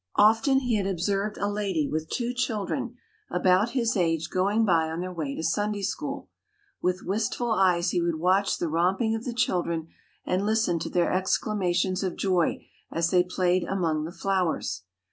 Often he had observed a lady with two children about his age going by on their way to Sunday school. With wistful eyes he would watch the romping of the children and listen to their exclamations of joy as they played among the flowers.